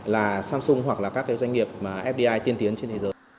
là samsung hoặc là các doanh nghiệp fdi tiên tiến trên thế giới